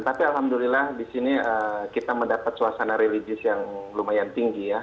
tapi alhamdulillah di sini kita mendapat suasana religius yang lumayan tinggi ya